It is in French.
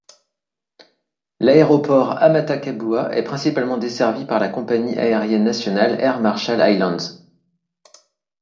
L'aéroport Amata-Kabua est principalement desservi par la compagnie aérienne nationale, Air Marshall Islands.